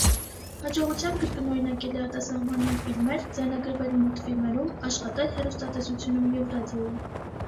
Հաջողությամբ կրկնօրինակել է արտասահմանյան ֆիլմեր, ձայնագրվել մուլտֆիլմերում, աշխատել հեռուստատեսությունում և ռադիոյում։